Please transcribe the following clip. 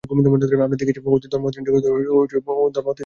আমরা দেখিয়াছি, ধর্ম অতীন্দ্রিয় স্তরের বস্তু।